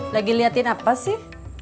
lagi liatin apa sih